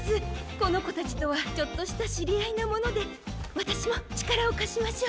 このこたちとはちょっとしたしりあいなものでわたしもちからをかしましょう。